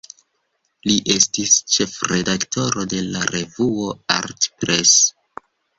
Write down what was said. Li estis ĉefredaktisto de la revuo "Art Press".